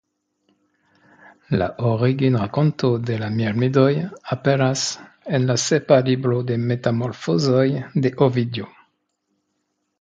La originrakonto de la Mirmidoj aperas en la sepa libro de metamorfozoj de Ovidio.